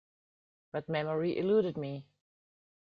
But memory eluded me.